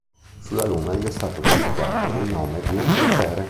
Sulla Luna gli è stato dedicato il nome di un cratere.